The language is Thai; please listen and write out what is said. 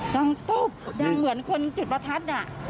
ดังตุ๊บดังเหมือนคนจุดประทัดอ่ะ